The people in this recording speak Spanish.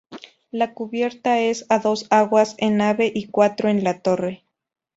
La cubierta es a dos aguas en nave y cuatro en la torre.